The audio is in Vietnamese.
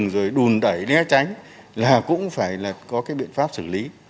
rồi đùn đẩy né tránh là cũng phải là có cái biện pháp xử lý